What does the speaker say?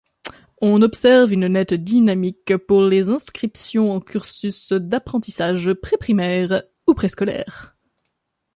On observe une nette dynamique pour les inscriptions en cursus d'apprentissage pré-primaire ou pré-scolaire.